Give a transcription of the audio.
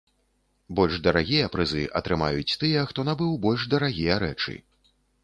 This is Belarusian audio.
Больш дарагія прызы атрымаюць тыя, хто набыў больш дарагія рэчы.